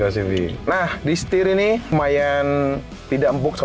yang terlihat ini adalah materialnya cukup tok tok kayak gitu loh kalau di sini